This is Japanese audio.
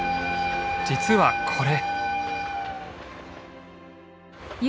実はこれ。